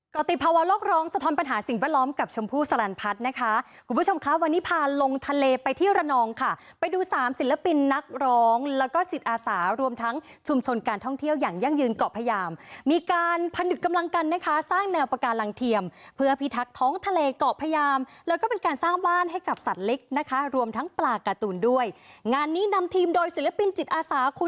กฎิภาวะลอกร้องสะท้อนปัญหาสิ่งแวดล้อมกับชมพู่สลันพัฒน์นะคะคุณผู้ชมค่ะวันนี้พาลงทะเลไปที่ระนองค่ะไปดู๓ศิลปินนักร้องแล้วก็จิตอาสารวมทั้งชุมชนการท่องเที่ยวอย่างยั่งยืนเกาะพยามมีการพนึกกำลังกันนะคะสร้างแนวประการลังเทียมเพื่อพิทักท้องทะเลเกาะพยามแล้วก็เป็นการสร้างว่านให้ก